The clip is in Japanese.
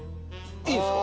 いいんすか？